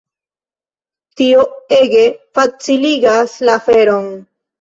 Tio ege faciligas la aferon.